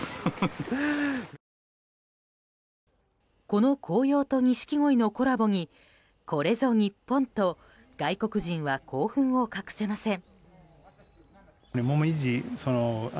この紅葉とニシキゴイのコラボにこれぞ日本と外国人は興奮を隠せません。